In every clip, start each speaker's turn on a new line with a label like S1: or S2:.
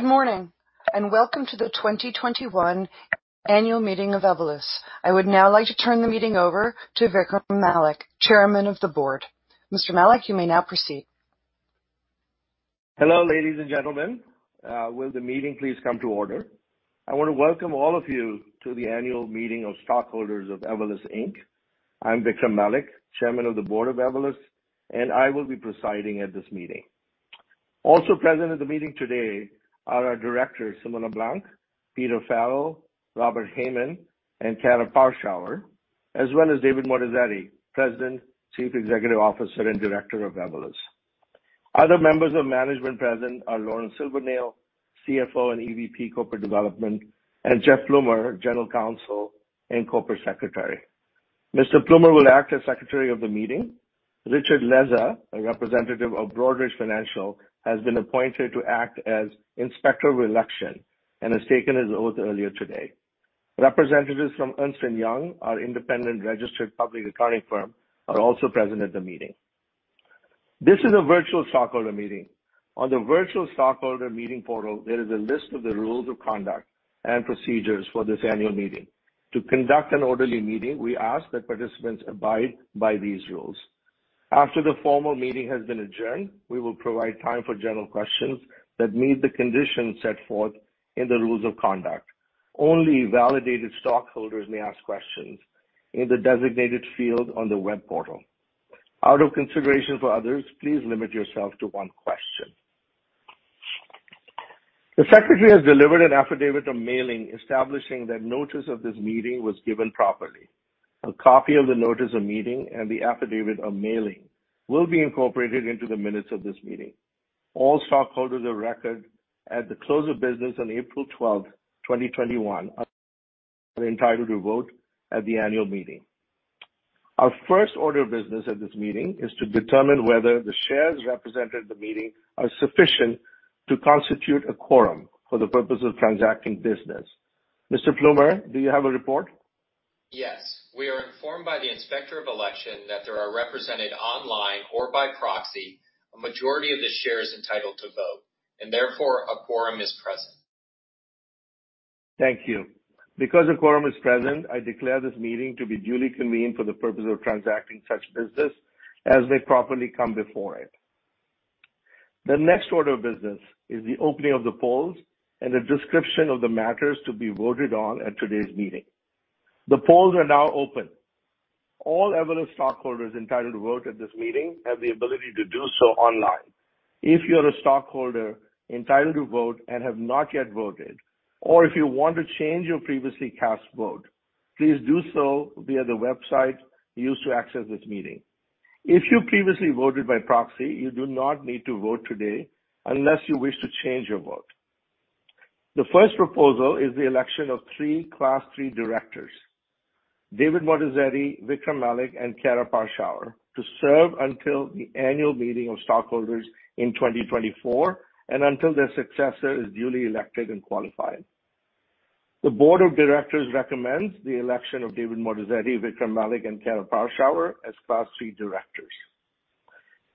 S1: Good morning. Welcome to the 2021 annual meeting of Evolus. I would now like to turn the meeting over to Vikram Malik, Chairman of the Board. Mr. Malik, you may now proceed.
S2: Hello, ladies and gentlemen. Will the meeting please come to order? I want to welcome all of you to the annual meeting of stockholders of Evolus, Inc. I'm Vikram Malik, Chairman of the Board of Evolus, and I will be presiding at this meeting. Also present at the meeting today are our directors, Simone Blank, Peter C. Farrell, Robert Hayman, and Karah Parschauer, as well as David Moatazedi, President, Chief Executive Officer, and Director of Evolus. Other members of management present are Lauren Silvernail, CFO and EVP Corporate Development, and Jeff Plumer, General Counsel and Corporate Secretary. Mr. Plumer will act as Secretary of the meeting. Richard Lezza, a representative of Broadridge Financial, has been appointed to act as Inspector of Election and has taken his oath earlier today. Representatives from Ernst & Young, our independent registered public accounting firm, are also present at the meeting. This is a virtual stockholder meeting. On the virtual stockholder meeting portal, there is a list of the rules of conduct and procedures for this annual meeting. To conduct an orderly meeting, we ask that participants abide by these rules. After the formal meeting has been adjourned, we will provide time for general questions that meet the conditions set forth in the rules of conduct. Only validated stockholders may ask questions in the designated field on the web portal. Out of consideration for others, please limit yourself to one question. The secretary has delivered an affidavit of mailing establishing that notice of this meeting was given properly. A copy of the notice of meeting and the affidavit of mailing will be incorporated into the minutes of this meeting. All stockholders of record at the close of business on April 12th, 2021, are entitled to vote at the annual meeting. Our first order of business at this meeting is to determine whether the shares represented at the meeting are sufficient to constitute a quorum for the purpose of transacting business. Mr. Plumer, do you have a report?
S3: Yes. We are informed by the Inspector of Election that there are represented online or by proxy, a majority of the shares entitled to vote, and therefore a quorum is present.
S2: Thank you. Because a quorum is present, I declare this meeting to be duly convened for the purpose of transacting such business as may properly come before it. The next order of business is the opening of the polls and a description of the matters to be voted on at today's meeting. The polls are now open. All Evolus stockholders entitled to vote at this meeting have the ability to do so online. If you are a stockholder entitled to vote and have not yet voted, or if you want to change your previously cast vote, please do so via the website used to access this meeting. If you previously voted by proxy, you do not need to vote today unless you wish to change your vote. The first proposal is the election of three Class III directors, David Moatazedi, Vikram Malik, and Karah Parschauer, to serve until the annual meeting of stockholders in 2024 and until their successor is duly elected and qualified. The board of directors recommends the election of David Moatazedi, Vikram Malik, and Karah Parschauer as Class III directors.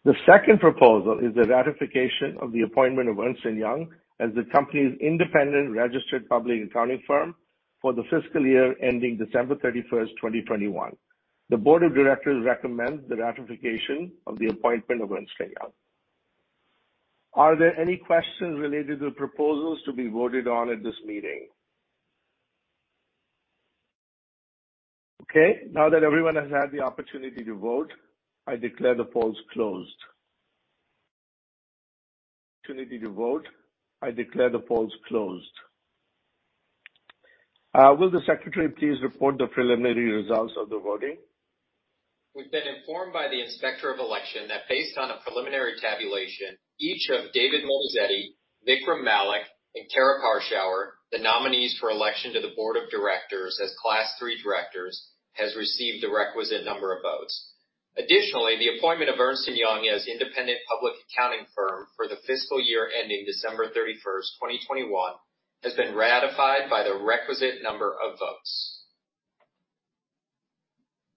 S2: The second proposal is the ratification of the appointment of Ernst & Young as the company's independent registered public accounting firm for the fiscal year ending December 31st, 2021. The board of directors recommends the ratification of the appointment of Ernst & Young. Are there any questions related to the proposals to be voted on at this meeting? Okay. Now that everyone has had the opportunity to vote, I declare the polls closed. Will the secretary please report the preliminary results of the voting?
S3: We've been informed by the Inspector of Election that based on a preliminary tabulation, each of David Moatazedi, Vikram Malik, and Karah Parschauer, the nominees for election to the board of directors as Class III directors, has received the requisite number of votes. Additionally, the appointment of Ernst & Young as independent public accounting firm for the fiscal year ending December 31st, 2021, has been ratified by the requisite number of votes.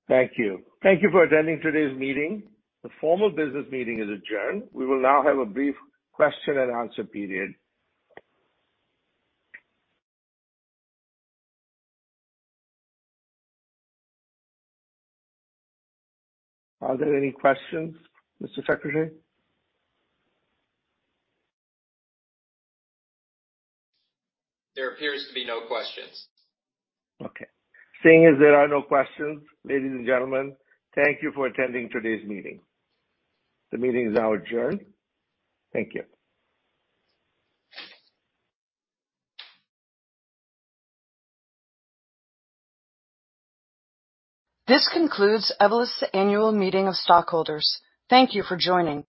S2: Thank you. Thank you for attending today's meeting. The formal business meeting is adjourned. We will now have a brief question and answer period. Are there any questions, Mr. Secretary?
S3: There appears to be no questions.
S2: Okay. Seeing as there are no questions, ladies and gentlemen, thank you for attending today's meeting. The meeting is now adjourned. Thank you.
S1: This concludes Evolus' annual meeting of stockholders. Thank you for joining.